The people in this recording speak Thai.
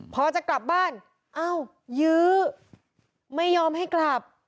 พอจะกลับบ้านอ้าวยื้อไม่ยอมให้กลับ